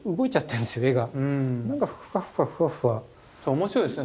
面白いですね